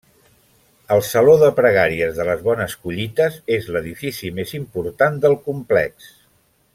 El Saló de Pregàries de les Bones Collites és l’edifici més important del complex.